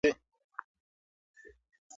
ما ته وایه چې ستا په فکر کې څه ګرځي؟